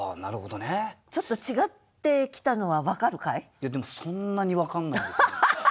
いやでもそんなに分かんないですね。